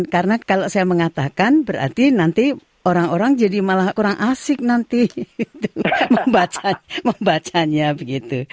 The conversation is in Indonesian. karena kalau saya mengatakan berarti nanti orang orang jadi malah kurang asik nanti membacanya begitu